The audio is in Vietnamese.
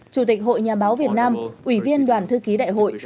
chủ tịch hội nhà báo việt nam ủy viên đoàn thư ký đại hội